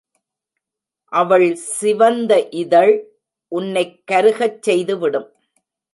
அவள் சிவந்த இதழ் உன்னைக் கருகச் செய்துவிடும்.